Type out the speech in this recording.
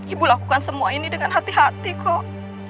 ibu lakukan semua ini dengan hati hati kok